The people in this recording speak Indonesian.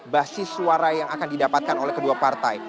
basis suara yang akan didapatkan oleh kedua partai